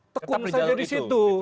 tekun saja di situ